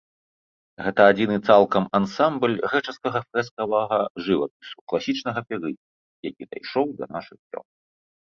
Гэта адзіны цалкам ансамбль грэчаскага фрэскавага жывапісу класічнага перыяду, які дайшоў да нашых дзён.